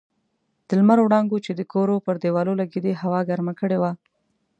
د لمر وړانګو چې د کورو پر دېوالو لګېدې هوا ګرمه کړې وه.